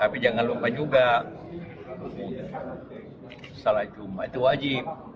tapi jangan lupa juga salah jumlah itu wajib